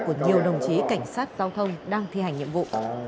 của nhiều đồng chí cảnh sát giao thông đang thi hành nhiệm vụ